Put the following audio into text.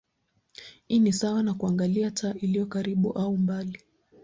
Hii ni sawa na kuangalia taa iliyo karibu au mbali.